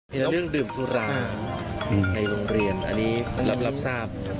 เรื่องดื่มสุราในโรงเรียนอันนี้รับทราบ